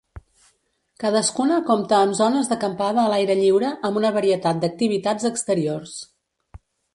Cadascuna compta amb zones d'acampada a l'aire lliure amb una varietat d'activitats exteriors.